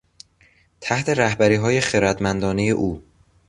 تحت رهبریهای خردمندانهی او